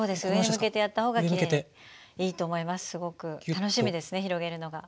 楽しみですね広げるのが。